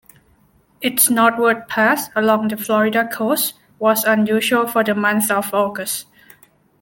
Its northward path along the Florida coast was unusual for the month of August.